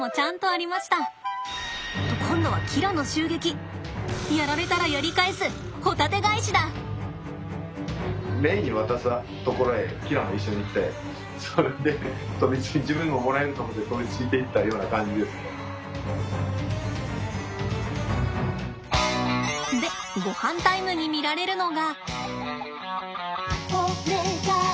と今度はキラの襲撃！やられたらやり返すホタテ返しだ！でごはんタイムに見られるのが。